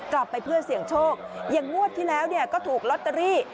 กลับไปเพื่อเสี่ยงโชคอย่างงวดที่แล้วก็ถูกลอตเตอรี่